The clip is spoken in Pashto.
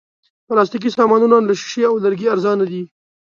پلاستيکي سامانونه له شیشې او لرګي ارزانه دي.